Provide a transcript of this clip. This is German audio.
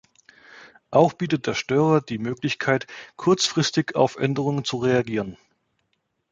Auch bietet der Störer die Möglichkeit, kurzfristig auf Änderungen zu reagieren.